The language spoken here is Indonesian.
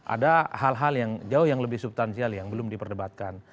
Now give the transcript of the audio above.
ada hal hal yang jauh yang lebih subtansial yang belum diperdebatkan